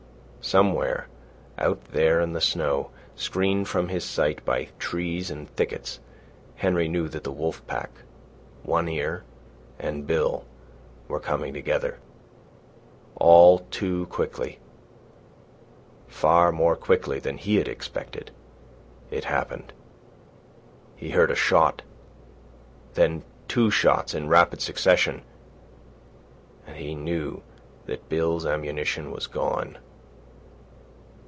Somewhere out there in the snow, screened from his sight by trees and thickets, Henry knew that the wolf pack, One Ear, and Bill were coming together. All too quickly, far more quickly than he had expected, it happened. He heard a shot, then two shots, in rapid succession, and he knew that Bill's ammunition was gone.